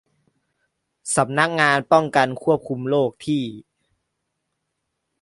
สำนักงานป้องกันควบคุมโรคที่